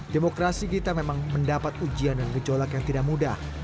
demokrasi kita memang mendapat ujian dan gejolak yang tidak mudah